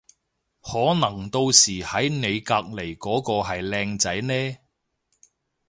可能到時喺你隔離嗰個係靚仔呢